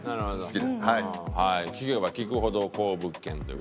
聞けば聞くほど好物件という。